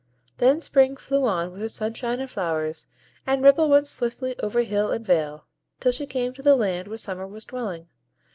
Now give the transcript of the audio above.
Then Spring flew on with her sunshine and flowers, and Ripple went swiftly over hill and vale, till she came to the land where Summer was dwelling.